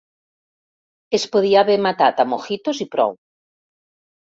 Es podia haver matat a mojitos i prou.